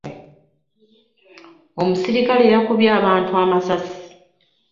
Omusirikale yakumbye abantu amasasi.